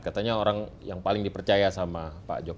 katanya orang yang paling dipercaya sama pak jokowi